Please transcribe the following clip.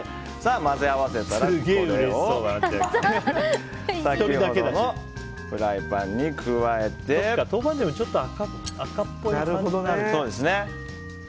混ぜ合わせたら、これを先ほどのフライパンに加えて豆板醤もちょっと赤っぽい感じだよね。